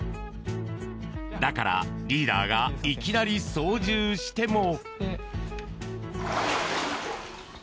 だから、リーダーがいきなり操縦しても。